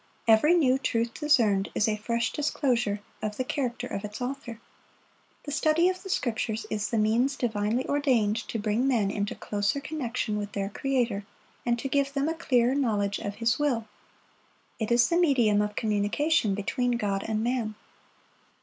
Every new truth discerned is a fresh disclosure of the character of its Author. The study of the Scriptures is the means divinely ordained to bring men into closer connection with their Creator, and to give them a clearer knowledge of His will. It is the medium of communication between God and man.